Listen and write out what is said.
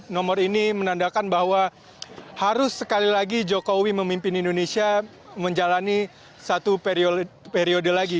nomor ini menandakan bahwa harus sekali lagi jokowi memimpin indonesia menjalani satu periode lagi